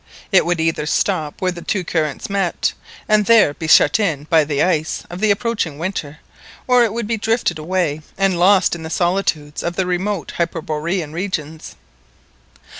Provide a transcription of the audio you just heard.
It would either stop where the two currents met, and there be shut in by the ice of the approaching winter, or it would be drifted away and lost in the solitudes of the remote hyperborean regions.